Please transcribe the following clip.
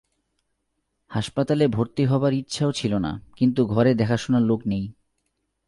হাসপাতালে ভর্তি হবার ইচ্ছাও ছিল না, কিন্তু ঘরে দেখাশোনার লোক নেই।